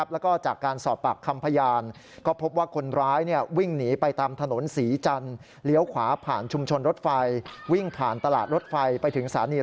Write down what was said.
แล้วก็จากการสอบปากคำพยาน